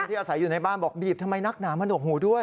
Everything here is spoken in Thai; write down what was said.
อาศัยอยู่ในบ้านบอกบีบทำไมนักหนามาหนวกหูด้วย